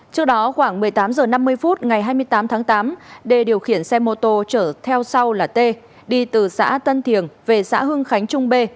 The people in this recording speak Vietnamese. trước đó khoảng một mươi tám h năm mươi phút ngày hai mươi tám tháng tám đê điều khiển xe mô tô chở theo sau là t đi từ xã tân thiềng về xã hưng khánh trung bê